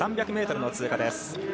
３００ｍの通過です。